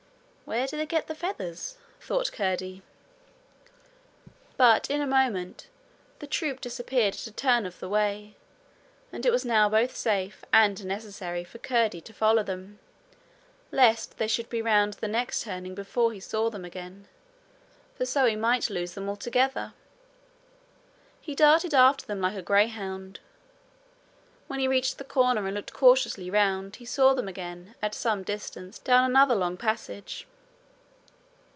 'Where do they get the feathers?' thought Curdie; but in a moment the troop disappeared at a turn of the way, and it was now both safe and necessary for Curdie to follow them, lest they should be round the next turning before he saw them again, for so he might lose them altogether. He darted after them like a greyhound. When he reached the corner and looked cautiously round, he saw them again at some distance down another long passage.